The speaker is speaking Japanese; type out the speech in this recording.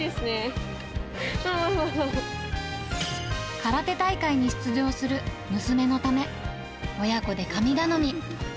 空手大会に出場する娘のため、親子で神頼み。